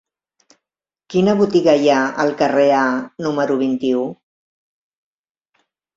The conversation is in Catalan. Quina botiga hi ha al carrer A número vint-i-u?